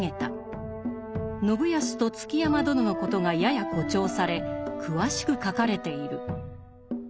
信康と築山殿のことがやや誇張され詳しく書かれている。